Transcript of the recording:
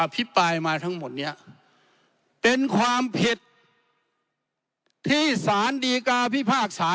พิปรายมาทั้งหมดนี้เป็นความผิดที่สารดีกาพิพากษา